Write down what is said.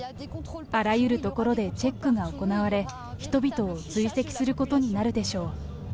あらゆる所でチェックが行われ、人々を追跡することになるでしょう。